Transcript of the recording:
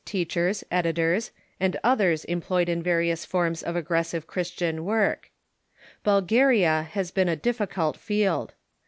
'^ teachers, editors, and others employed in various forms Missions '_'__ L J of aggressive Christian work. Bulgaria has been a difficult field.